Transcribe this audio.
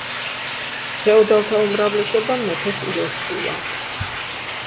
ფეოდალთა უმრავლესობამ მეფეს უერთგულა.